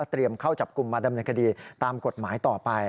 เตรียมเข้าจับกลุ่มมาดำในคดีตามกฎหมายต่อไป